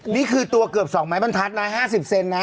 นี่คือตัวเกือบ๒ไม้มันทัดนะ๕๐เซนติเมตรนะ